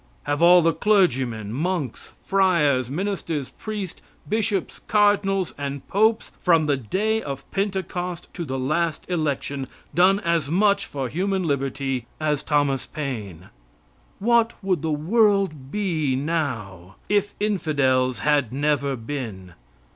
Have all the clergymen, monks, friars, ministers, priests, bishops, cardinals and popes from the day of Pentecost to the last election done as much for human liberty as Thomas Paine? What would the world be now if infidels had never been?